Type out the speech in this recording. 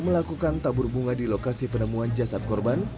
melakukan tabur bunga di lokasi penemuan jasad korban